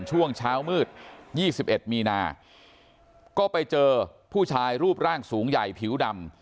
ช่วงเช้ามืด๒๑มีนาก็ไปเจอผู้ชายรูปร่างสูงใหญ่ผิวดำ